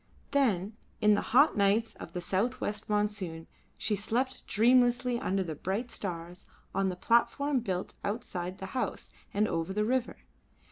Then in the hot nights of the south west monsoon she slept dreamlessly under the bright stars on the platform built outside the house and over the river.